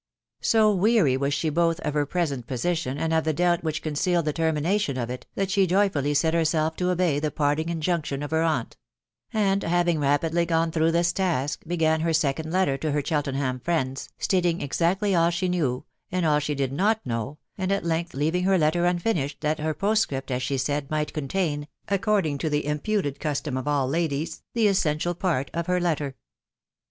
So weary was she both of her present position and of the doubt which concealed the termination of it, that she joyfully set herself to obey the parting injunction of her aunt ; and having rapidly gone through this task, began her second letter to her Cheltenham friends, stating exactly all she knew, and all she did not know, and at length leaving her letter unfinished, 356 THB WIDOW BARITABY. ,• that her postscript, as she said, might contain, according to lb imputed custom of all ladies, the essential part of her letter.